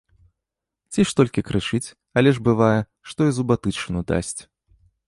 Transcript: Ці ж толькі крычыць, але ж бывае, што і зубатычыну дасць.